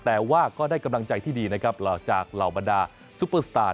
แต่ว่าก็ได้กำลังใจที่ดีนะครับเหล่าจากเหล่าบรรดาซุปเปอร์สตาร์